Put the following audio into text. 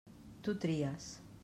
Tu tries.